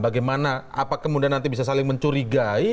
bagaimana apa kemudian nanti bisa saling mencurigai